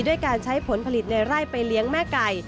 ด้วยการใช้ผลผลิตในไร่ไปเลี้ยงแม่ไก่